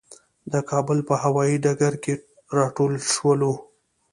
د کابل په هوايي ډګر کې راټول شولو.